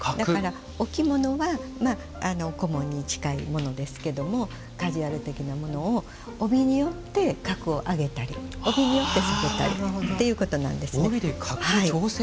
お着物は、小紋に近いものですがカジュアル的なものを帯によって格を上げたり、帯によって下げたりっていうことなんですね。